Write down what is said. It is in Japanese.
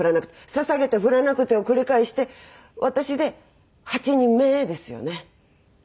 捧げて降らなくてを繰り返して私で８人目ですよね？